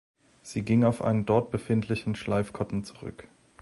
Sie ging auf einen dort befindlichen Schleifkotten zurück.